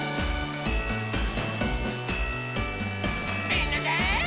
みんなで。